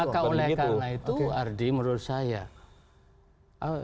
maka oleh karena itu bu ardi menurut saya